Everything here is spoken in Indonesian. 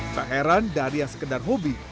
tak heran dari yang sekedar hobi